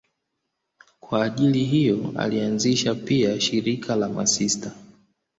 Kwa ajili hiyo alianzisha pia shirika la masista.